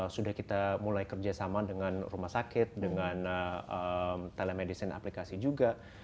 sudah kita mulai kerjasama dengan rumah sakit dengan telemedicine aplikasi juga